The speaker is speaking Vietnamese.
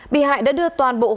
bị hại đã đưa toàn bộ hộp